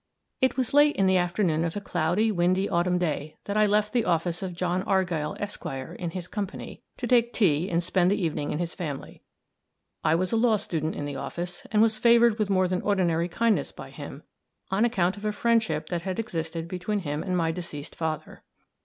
It was late in the afternoon of a cloudy, windy autumn day, that I left the office of John Argyll, Esq., in his company, to take tea and spend the evening in his family. I was a law student in the office, and was favored with more than ordinary kindness by him, on account of a friendship that had existed between him and my deceased father.